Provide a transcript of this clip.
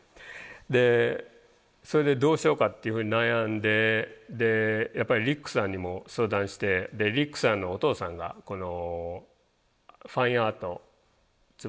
でそれでどうしようかっていうふうに悩んでやっぱりリックさんにも相談してリックさんのお父さんがこのファインアートつまり絵画ですね